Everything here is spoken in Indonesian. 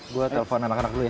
gue telfon anak anak dulu ya